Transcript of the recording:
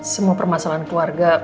semua permasalahan keluarga